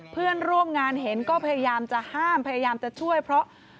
เพื่อนร่วมงานเห็นก็พยายามจะห้ามพยายามจะช่วยเพราะ